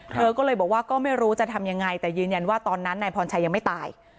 เธอก็เลยบอกว่าก็ไม่รู้จะทำยังไงแต่ยืนยันว่าตอนนั้นนายพรชัยยังไม่ตาย